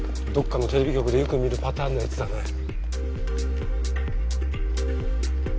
どっかのテレビ局でよく見るパターンのやつだね。